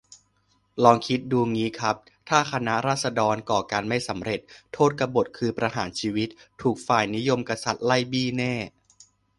ลองคิดดูงี้ครับ ถ้าคณะราษฎรก่อการไม่สำเร็จ โทษกบฎคือประหารชีวิต ถูกฝ่ายนิยมกษัตริย์ไล่บี้แน่